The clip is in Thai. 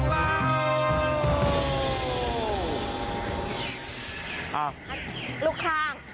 ลูกข้าง